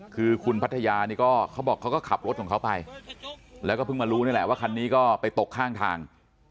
คือคุณพัทยานี่ก็เขาบอกเขาก็ขับรถของเขาไปแล้วก็เพิ่งมารู้นี่แหละว่าคันนี้ก็ไปตกข้างทาง